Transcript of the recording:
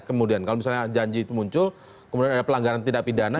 kemudian kalau misalnya janji itu muncul kemudian ada pelanggaran tidak pidana